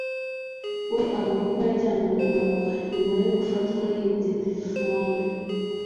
we avuga ko yajyanywe Iwawa nyuma yo gufatwa yibye terefone